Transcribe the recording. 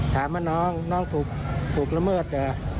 ถามว่าน้องน้องถูกละเมิดเหรอ